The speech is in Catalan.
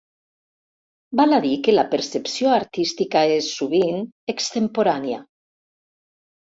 Val a dir que la percepció artística és, sovint, extemporània.